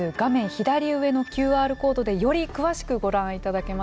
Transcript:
左上のＱＲコードでより詳しくご覧いただけます。